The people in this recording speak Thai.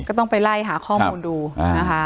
ก็ต้องไปไล่หาข้อมูลดูนะคะ